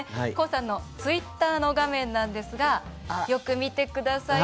ＫＯＯさんのツイッターの画面なんですがよく見てください。